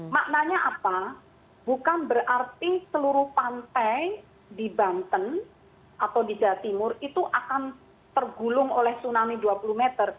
maknanya apa bukan berarti seluruh pantai di banten atau di jawa timur itu akan tergulung oleh tsunami dua puluh meter